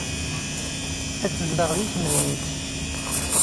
Ad tezdeɣ deg temdint.